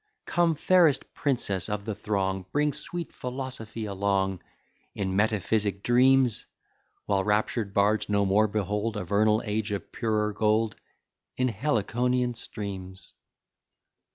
Come, fairest princess of the throng, Bring sweet philosophy along, In metaphysic dreams; While raptured bards no more behold A vernal age of purer gold, In Heliconian streams.